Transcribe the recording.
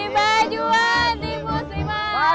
di bajuan di musliman